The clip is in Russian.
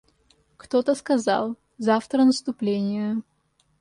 Кто-то сказал: — Завтра наступление.